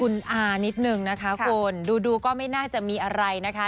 คุณอานิดนึงนะคะคุณดูดูก็ไม่น่าจะมีอะไรนะคะ